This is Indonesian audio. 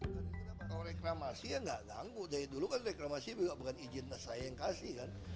kalau reklamasi ya nggak ganggu dari dulu kan reklamasi juga bukan izin saya yang kasih kan